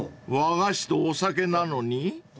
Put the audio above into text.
［和菓子とお酒なのに？］